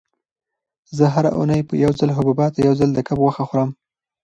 زه هره اونۍ یو ځل حبوبات او یو ځل د کب غوښه خورم.